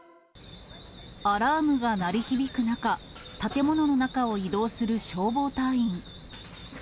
アラームが鳴り響く中、建物の中を移動する消防隊員。